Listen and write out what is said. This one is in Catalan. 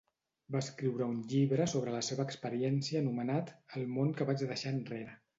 Va escriure un llibre sobre la seva experiència anomenat "El món que vaig deixar enrere".